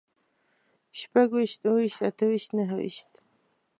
شپږويشت، اووهويشت، اتهويشت، نههويشت